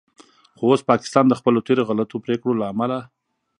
خو اوس پاکستان د خپلو تیرو غلطو پریکړو له امله